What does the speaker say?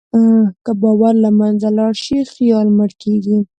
که باور له منځه لاړ شي، خیال مړ کېږي.